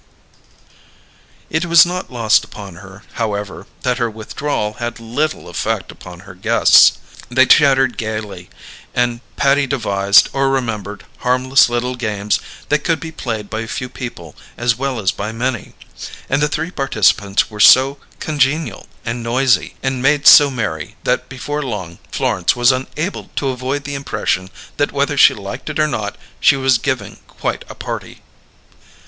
It was not lost upon her, however, that her withdrawal had little effect upon her guests. They chattered gaily, and Patty devised, or remembered, harmless little games that could be played by a few people as well as by many; and the three participants were so congenial and noisy and made so merry, that before long Florence was unable to avoid the impression that whether she liked it or not she was giving quite a party.